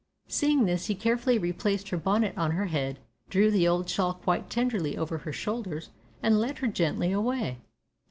Seeing this, he carefully replaced her bonnet on her head, drew the old shawl quite tenderly over her shoulders, and led her gently away.